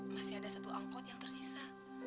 masih ada satu angkot yang tersisa